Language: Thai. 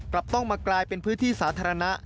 ต้องมากลายเป็นพื้นที่สาธารณะ